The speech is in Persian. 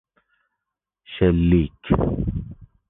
شلیک